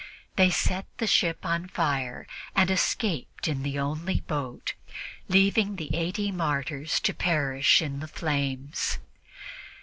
They set the ship on fire and escaped in the only boat, leaving the eighty martyrs to perish in the flames.